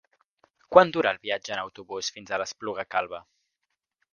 Quant dura el viatge en autobús fins a l'Espluga Calba?